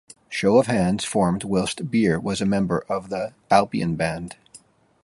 Show of Hands formed whilst Beer was a member of The Albion Band.